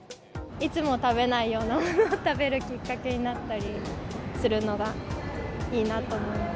いつも食べないようなものを食べるきっかけになったりするのがいいなと思います。